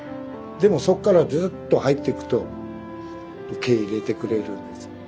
でもそこからずっと入っていくと受け入れてくれるんです。